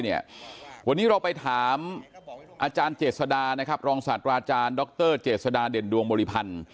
วันนี้เราไปถามอาจารย์เจษดานะครับรองศาสตราอาจารย์ดรเจษฎาเด่นดวงบริพันธ์